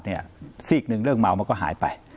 ซีกหนึ่งเรื่องเมามันก็หายไป